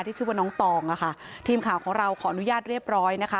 ชื่อว่าน้องตองอ่ะค่ะทีมข่าวของเราขออนุญาตเรียบร้อยนะคะ